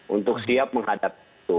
untuk siap menghadap itu